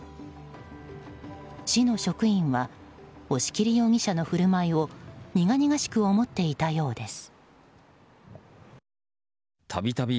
市の職員は押切容疑者の振る舞いを苦々しく思っていたようです。